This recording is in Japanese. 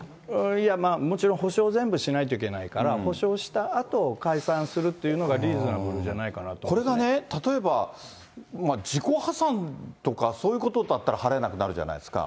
いや、まあもちろん補償を全部しないといけないから、補償を全部したあと解散するというのが、リーズナブルじゃないかこれが例えば自己破産とかそういうことだったら払えなくなるじゃないですか。